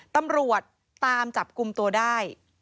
ตำรวจตามจับกลุ่มตัวได้